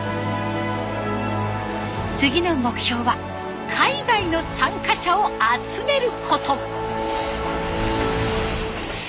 次の目標は海外の参加者を集めること。